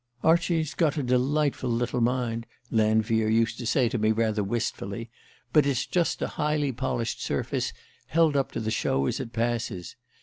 "Archie's got a delightful little mind," Lanfear used to say to me, rather wistfully, "but it's just a highly polished surface held up to the show as it passes.